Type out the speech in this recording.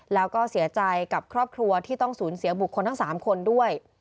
แล้วก็เสียใจกับครอบครัวที่ต้องสูญเสียบุคคลทั้ง๓คนด้วย